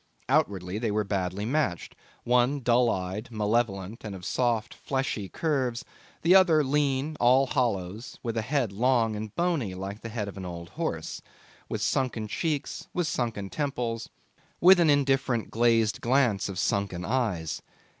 Outwardly they were badly matched: one dull eyed, malevolent, and of soft fleshy curves; the other lean, all hollows, with a head long and bony like the head of an old horse, with sunken cheeks, with sunken temples, with an indifferent glazed glance of sunken eyes.